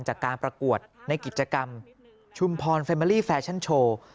จากการประกวดในกิจกรรมชุมพรเฟมอรี่แฟชั่นโชว์